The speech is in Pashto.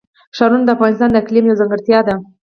ښارونه د افغانستان د اقلیم یوه ځانګړتیا ده.